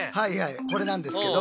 これなんですけど。